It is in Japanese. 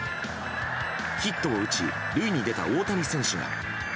ヒットを打ち塁に出た大谷選手が。